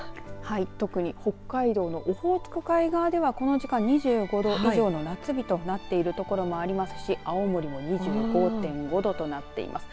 特に、北海道のオホーツク海側でこの時間、２５度以上の夏日となっている所もありますし青森も２５．５度となっています。